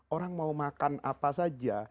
orang mau makan apa saja